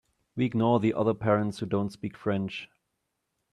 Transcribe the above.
We ignore the other parents who don’t speak French.